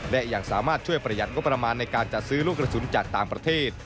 และยังสามารถช่วยประหยัดงบประมาณในการจัดซื้อลูกกระสุนจากต่างประเทศ